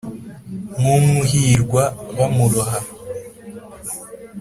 nk' umwe urihwa bamuroha